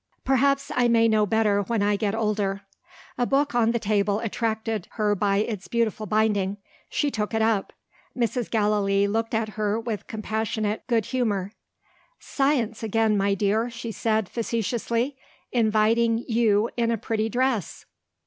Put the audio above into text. "Perhaps, I may know better when I get older." A book on the table attracted her by its beautiful binding. She took it up. Mrs. Gallilee looked at her with compassionate good humour. "Science again, my dear," she said facetiously, "inviting you in a pretty dress!